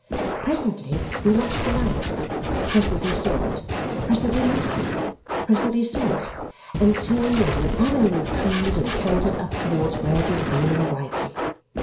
Presently we lost the light, presently saw it, presently lost it, presently saw it, and turned into an avenue of trees and cantered up towards where it was beaming brightly.